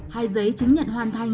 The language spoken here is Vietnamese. hay giấy chứng nhận hoàn thành